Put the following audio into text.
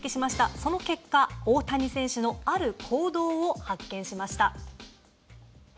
その結果大谷選手のある行動を発見しました。